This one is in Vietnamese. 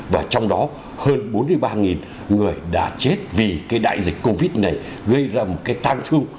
và trong đó hơn bốn mươi ba người đã chết vì cái đại dịch covid này gây ra một cái tang thương